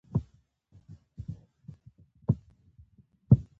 د ترکانو د خیلیچ قبیلې استازي دي.